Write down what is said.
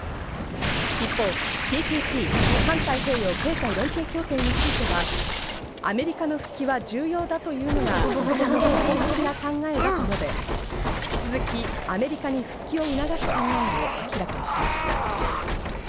一方、ＴＰＰ＝環太平洋経済連携協定についてはアメリカの復帰は重要だというのが日本の基本的な考えだと述べ、引き続きアメリカに復帰を促す考えを明らかにしました。